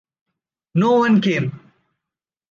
No one came.